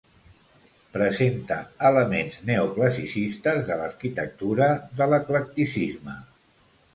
Presenta elements neoclassicistes de l'arquitectura de l'eclecticisme.